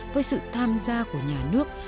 với sự tham gia của nhà nước